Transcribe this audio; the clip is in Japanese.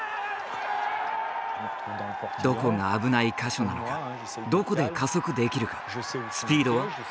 どこが危ない箇所なのかどこで加速できるかスピードは？